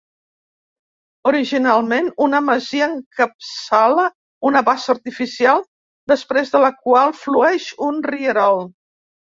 Originalment una masia, encapçala una bassa artificial després de la qual flueix un rierol.